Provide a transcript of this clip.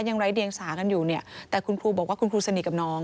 ไร้เดียงสากันอยู่เนี่ยแต่คุณครูบอกว่าคุณครูสนิทกับน้อง